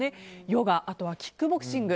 ヨガ、キックボクシング。